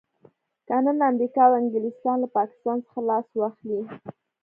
که نن امريکا او انګلستان له پاکستان څخه لاس واخلي.